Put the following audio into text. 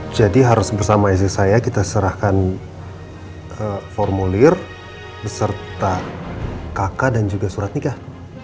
jadi harus bersama istri saya kita serahkan formulir beserta kakak dan juga surat nikah